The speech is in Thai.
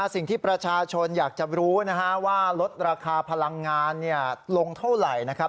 สิ่งที่ประชาชนอยากจะรู้นะฮะว่าลดราคาพลังงานลงเท่าไหร่นะครับ